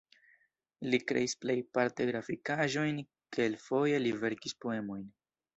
Li kreis plejparte grafikaĵojn, kelkfoje li verkis poemojn.